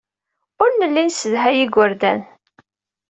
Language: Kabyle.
Ur nelli nessedhay igerdan.